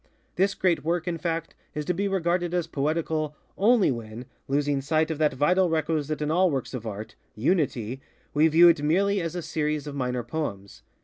This great work, in fact, is to be regarded as poetical, only when, losing sight of that vital requisite in all works of Art, Unity, we view it merely as a series of minor poems.